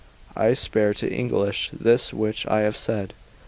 I spare to English this which I have said.